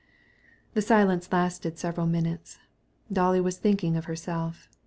The silence lasted for two minutes: Dolly was thinking of herself.